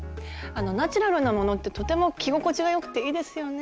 ナチュラルなものってとても着心地がよくていいですよね。